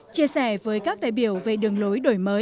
chia sẻ với các đại biểu về đường lối đổi mới